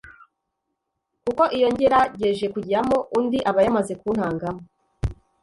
, kuko iyo ngerageje kujyamo undi aba yamaze kuntangamo.”